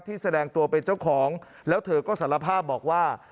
แสดงตัวเป็นเจ้าของแล้วเธอก็สารภาพบอกว่า